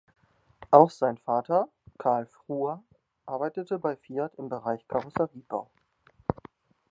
Auch sein Vater, Carl Frua, arbeitete bei Fiat im Bereich Karosseriebau.